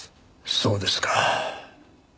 そうですか。